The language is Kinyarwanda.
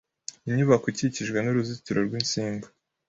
Inyubako ikikijwe nuruzitiro rwinsinga.